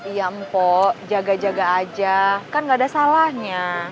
iya mpok jaga jaga aja kan gak ada salahnya